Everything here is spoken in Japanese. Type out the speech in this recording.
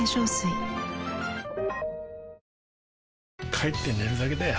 帰って寝るだけだよ